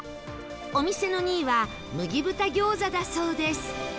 お店の２位は麦豚餃子だそうです